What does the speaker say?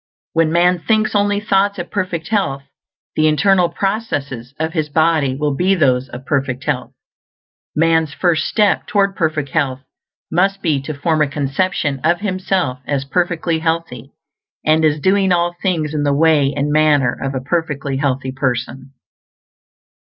_ When man thinks only thoughts of perfect health, the internal processes of his body will be those of perfect health. Man's first step toward perfect health must be to form a conception of himself as perfectly healthy, and as doing all things in the way and manner of a perfectly healthy person.